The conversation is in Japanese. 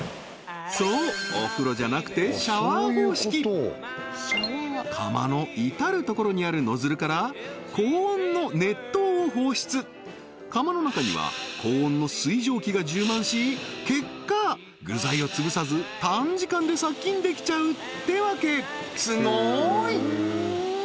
そうお風呂じゃなくて釜の至る所にあるノズルから高温の熱湯を放出釜の中には高温の水蒸気が充満し結果具材を潰さず短時間で殺菌できちゃうってわけすごい！